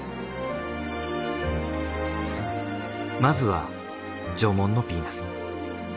まずは『縄文のビーナス』。